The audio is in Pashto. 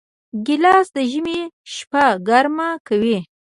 ګیلاس د ژمي شپه ګرمه کوي.